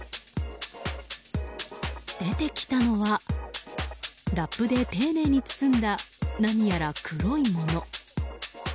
出てきたのはラップで丁寧に包んだ何やら黒いもの。